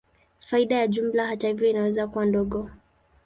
Faida ya jumla, hata hivyo, inaweza kuwa ndogo.